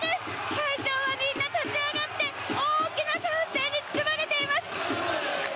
会場はみんな立ち上がって大きな歓声に包まれています！